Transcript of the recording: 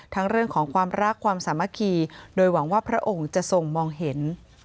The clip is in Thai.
เรื่องของความรักความสามัคคีโดยหวังว่าพระองค์จะทรงมองเห็น